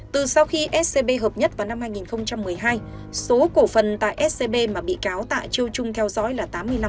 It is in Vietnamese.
từ sau khi scb hợp nhất vào năm hai nghìn một mươi hai số cổ phần tại scb mà bị cáo tạ chu trung theo dõi là tám mươi năm